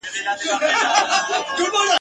زه د وینو له سېلابه نن تازه یمه راغلی ..